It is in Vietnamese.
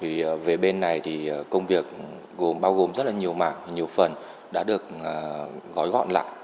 thì về bên này thì công việc gồm bao gồm rất là nhiều mảng nhiều phần đã được gói gọn lại